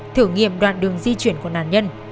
thử nghiệm đoạn đường di chuyển của nạn nhân